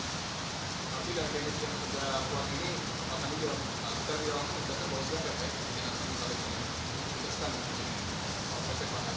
apakah yang terjadi di sini